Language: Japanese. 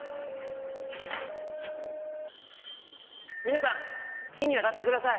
皆さん火に当たってください。